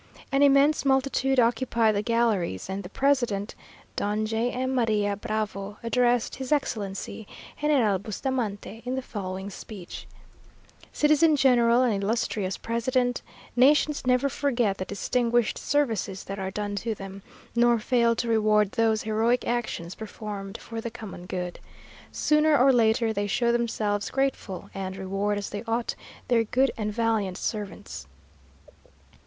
An immense multitude occupied the galleries; and the President, Don J. M. María Bravo, addressed his Excellency General Bustamante, in the following speech: "Citizen General, and illustrious President: Nations never forget the distinguished services that are done to them, nor fail to reward those heroic actions performed for the common good. Sooner or later they show themselves grateful, and reward as they ought their good and valiant servants.